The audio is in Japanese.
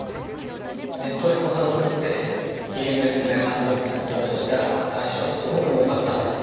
ネットで口座を作ってＤＭで勧められた暗号資産に投資したら最初はすごく儲かったんです。